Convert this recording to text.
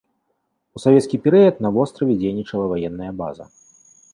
У савецкі перыяд на востраве дзейнічала ваенная база.